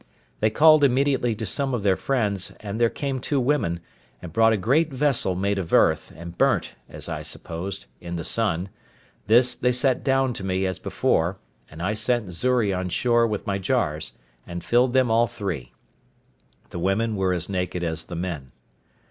They called immediately to some of their friends, and there came two women, and brought a great vessel made of earth, and burnt, as I supposed, in the sun, this they set down to me, as before, and I sent Xury on shore with my jars, and filled them all three. The women were as naked as the men.